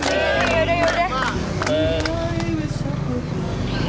udah terima yaudah yaudah